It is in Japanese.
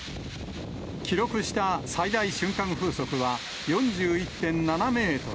記録した最大瞬間風速は４１．７メートル。